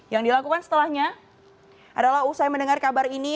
yang dilakukan setelahnya adalah usai mendengar kabar ini